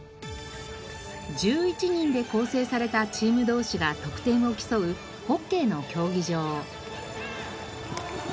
１１人で構成されたチーム同士が得点を競うホッケーの競技場。